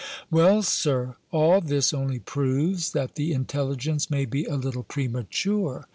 "Well, Sir, all this only proves, that the intelligence may be a little premature.